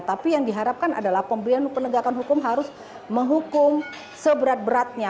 tapi yang diharapkan adalah pemberian penegakan hukum harus menghukum seberat beratnya